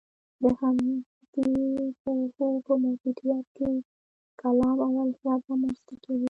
د همدې پوهو په موجودیت کې کلام او الهیات رامنځته کېږي.